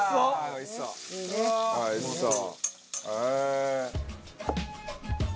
おいしそう！